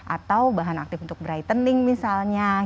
atau bahan aktif untuk brightening misalnya